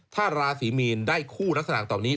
ท่าราศรีมีนได้คู่รักษนักต่อนี้